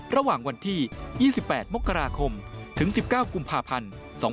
ระหว่างวันที่๒๘มกราคมถึง๑๙กุมภาพันธ์๒๕๖๒